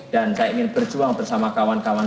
dan saya ingin berjuang bersama kawan kawan